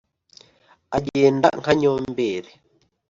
agenda nka nyomberi